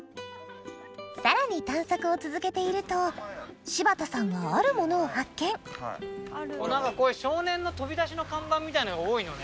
さらに探索を続けていると柴田さんがある物を発見なんかこういう少年の飛び出しの看板みたいなんが多いのね。